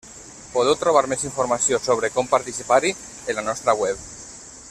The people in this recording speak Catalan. Podeu trobar més informació sobre com participar-hi en la nostra web.